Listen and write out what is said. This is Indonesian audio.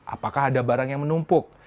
apakah ada barang yang menumpuk